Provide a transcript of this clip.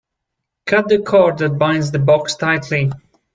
Cut the cord that binds the box tightly.